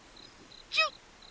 チュッ！